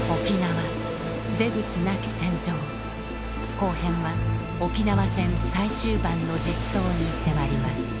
後編は沖縄戦最終盤の実相に迫ります。